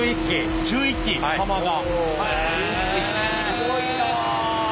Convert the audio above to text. すごいな。